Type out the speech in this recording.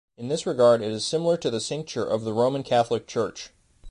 In this regard it is similar to the cincture of the Roman Catholic Church.